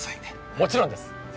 もちろんです！